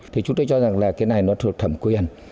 thì chú tây cho rằng là cái này nó thẩm quyền